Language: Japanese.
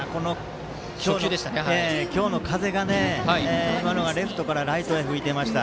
今日の風が今のはレフトからライトに吹いてました。